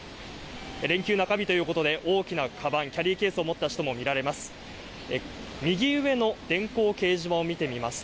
連休中日ということで、大きなかばん、キャリーケースを持った人も見られます。